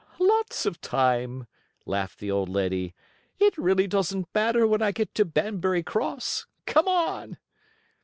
"Lots of time," laughed the old lady. "It doesn't really matter when I get to Banbury Cross. Come on!"